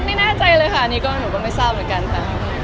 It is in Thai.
ไม่แน่ใจเลยค่ะนี่ก็หนูก็ไม่ทราบเหมือนกันค่ะ